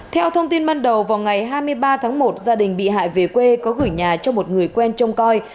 theo thông tin ban đầu vào ngày hai mươi ba tháng một gia đình bị hại về quê có gửi nhà cho một người quen trông coi